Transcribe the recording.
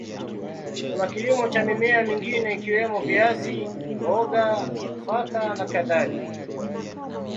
Kuna kilimo cha mimea mingine ikiwemo viazi, mboga, nafaka na kadhalika.